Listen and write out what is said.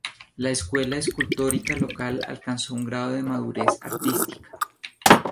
La escuela escultórica local alcanzó un grado de madurez artística.